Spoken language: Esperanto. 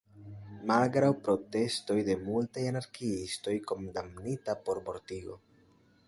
Malgraŭ protestoj de multaj anarkiistoj, kondamnita por mortigo.